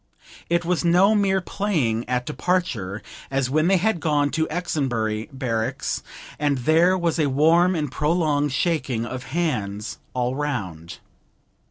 It was no mere playing at departure, as when they had gone to Exonbury barracks, and there was a warm and prolonged shaking of hands all round.